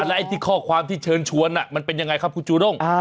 และไอ้ที่ข้อความที่เชิญชวนมันเป็นยังไงครับคุณจูด้ง